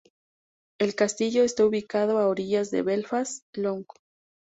El castillo está ubicado a orillas del Belfast Lough.